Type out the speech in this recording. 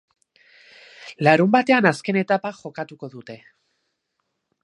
Larunbatean azken etapa jokatuko dute.